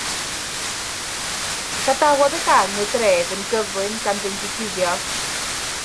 Gadawodd y gang y dref yn gyflym gan fynd i guddio.